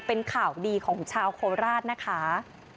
เป็นข่าวดีของชาวโคราชนะคะ